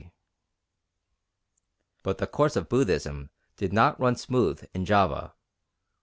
But the course of Buddhism did not run smooth in Java.